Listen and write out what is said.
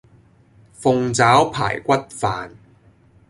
鳳爪排骨飯